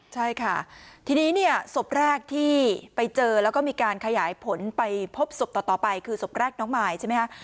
ใช่ค่ะทีนี้เนี่ยศพแรกที่ไปเจอแล้วก็มีการขยายผลไปพบศพต่อไปคือศพแรกน้องมายใช่ไหมคะ